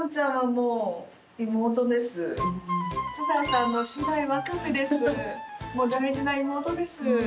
もう大事な妹です。